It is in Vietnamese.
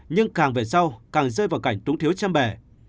nhưng càng về sau càng rơi vào cảnh trúng thiếu chăm bẻ